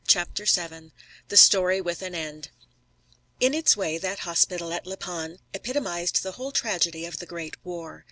CHAPTER VII THE STORY WITH AN END In its way that hospital at La Panne epitomised the whole tragedy of the great war.